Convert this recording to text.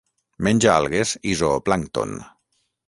Menja algues i zooplàncton.